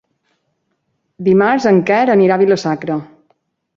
Dimarts en Quer anirà a Vila-sacra.